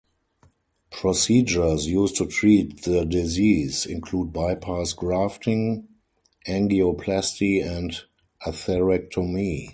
Procedures used to treat the disease include bypass grafting, angioplasty, and atherectomy.